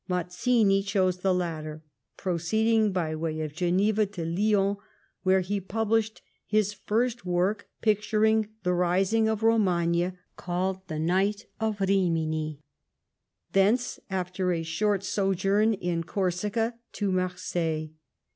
Mazzini chose the latter ; pro ceeded by way of Geneva to Lyons, where he published his first work picturing the rising of Romagna, called " The Night of Rimini "; thence, after a short sojourn in Corsica, to Marseilles.